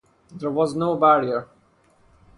There was no barrier.